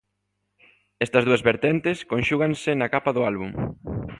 Estas dúas vertentes conxúganse na capa do álbum.